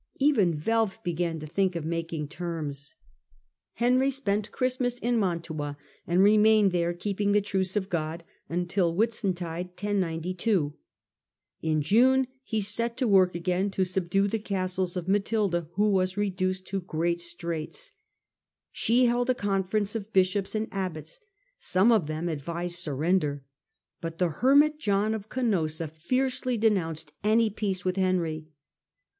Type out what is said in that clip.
Even Welf began to think of making terms. Henry spent Christmas in Mantua, and remained there, keeping the * Truce of God,' until Whitsuntide Henry's war (1^92). In June he set to work again to sub ^in^ due the castles of Matilda, who was reduced Matilda ijq great straits. She held a council of bishops and abbots ; some of them advised surrender, but the hermit John of Canossa fiercely denounced any peace with Henry.